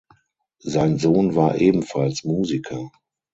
Sein Sohn war ebenfalls Musiker.